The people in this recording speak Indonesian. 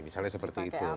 misalnya seperti itu